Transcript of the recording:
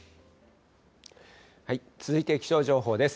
続いて、気象情報です。